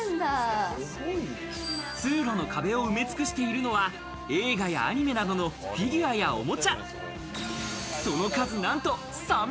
通路の壁を埋め尽くしているのは映画やアニメなどのフィギュアやおもちゃ。